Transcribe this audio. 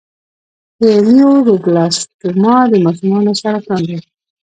د نیوروبلاسټوما د ماشومانو سرطان دی.